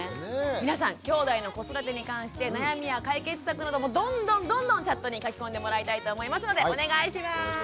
皆さんきょうだいの子育てに関して悩みや解決策などもどんどんどんどんチャットに書き込んでもらいたいと思いますのでお願いします。